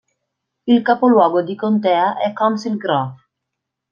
Il capoluogo di contea è Council Grove